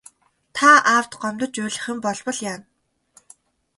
Та аавд гомдож уйлах юм болбол яана.